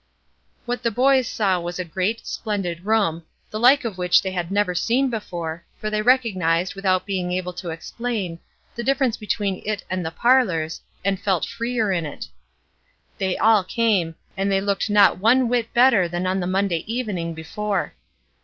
What the boys saw was a great, splendid room, the like of which they had never seen before, for they recognized, without being able to explain, the difference between it and the parlors, and felt freer in it. They all came, and they looked not one whit better than on the Monday evening before.